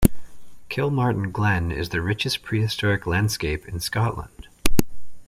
Kilmartin Glen is the richest prehistoric landscape in Scotland.